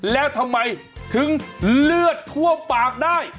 แล้วทำไมถึงเลือดท่วมปากได้